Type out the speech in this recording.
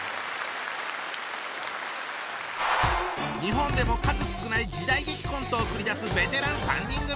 日本でも数少ない時代劇コントを繰り出すベテラン３人組！